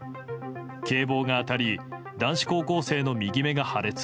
警棒が当たり男子高校生の右目が破裂。